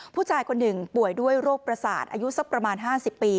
ผู้ชายคนหนึ่งป่วยด้วยโรคประสาทอายุสักประมาณ๕๐ปี